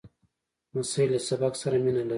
لمسی له سبق سره مینه لري.